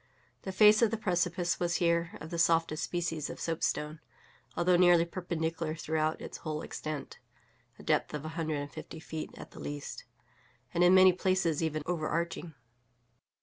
The face of the precipice was here of the softest species of soapstone, although nearly perpendicular throughout its whole extent (a depth of a hundred and fifty feet at the least), and in many places even overarching.